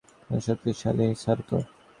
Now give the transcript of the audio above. তুমি কি Gojo Satoru বিধায় শক্তিশালী?